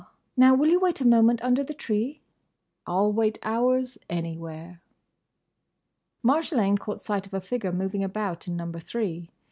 —Now, will you wait a moment under the tree?" "I'll wait hours, anywhere!" Marjolaine caught sight of a figure moving about in Number Three.